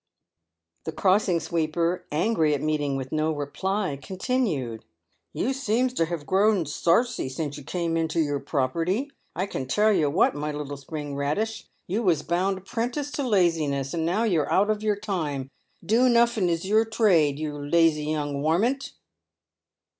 The crossing sweeper, angry at meeting with no reply, continued :" You seems to have growed sarcy since you come into your pro perty. I can tell yer what, my little spring raddish, you was bound 'prentice to laziness, and now you're out of your time, do nuffin is your trade, you lazy young warmint."